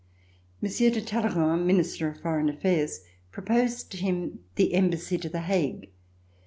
Monsieur de Talleyrand, Minister of Foreign Affairs, proposed to him the Embassy to The Hague.